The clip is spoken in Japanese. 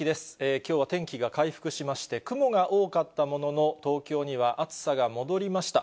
きょうは天気が回復しまして、雲が多かったものの、東京には暑さが戻りました。